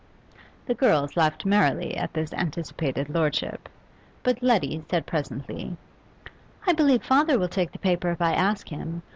The girls laughed merrily at this anticipated lordship; but Letty said presently 'I believe father will take the paper if I ask him.